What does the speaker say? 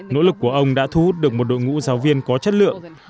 nỗ lực của ông đã thu hút được một đội ngũ giáo viên có chất lượng